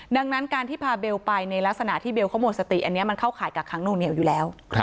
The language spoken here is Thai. ดังนั้นการที่พาเบลไปในลักษณะที่เบลเขาหมดสติอันนี้มันเข้าข่ายกักขังนวงเหนียวอยู่แล้ว